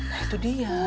nah itu dia